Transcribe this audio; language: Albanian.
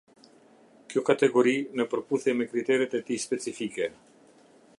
Kjo kategori, në përputhje me kriteret e tij specifike.